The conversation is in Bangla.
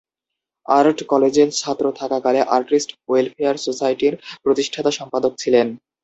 আর্ট কলেজে ছাত্র থাকাকালে 'আর্টিস্ট ওয়েলফেয়ার সোসাইটি' র প্রতিষ্ঠাতা-সম্পাদক ছিলেন।